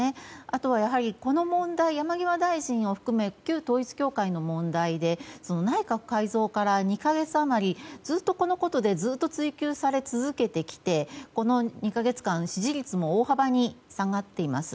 あとは、この問題山際大臣を含め旧統一教会の問題で内閣改造から２か月余りずっとこのことで追及され続けてきてこの２か月間支持率も大幅に下がっています。